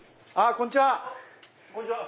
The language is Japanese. こんにちは。